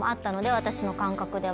私の感覚では。